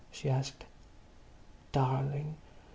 she asked. "Darling!"